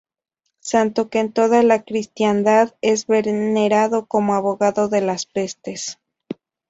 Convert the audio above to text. Santo que en toda la cristiandad es venerado como abogado de las pestes.